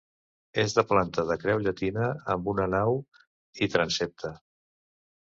És de planta de creu llatina, amb una nau i transsepte.